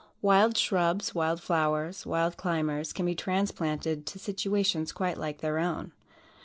Wild shrubs, wild flowers, wild climbers, can be transplanted to situations quite like their own.